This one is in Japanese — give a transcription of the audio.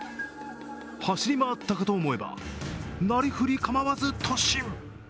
走り回ったかと思えばなりふり構わず突進。